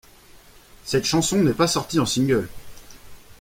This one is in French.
Cette chanson n’est pas sortie en single.